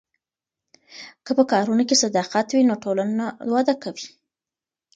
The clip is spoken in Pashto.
که په کارونو کې صداقت وي نو ټولنه وده کوي.